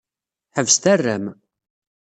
Ḥebset arram.